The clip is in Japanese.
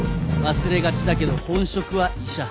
忘れがちだけど本職は医者。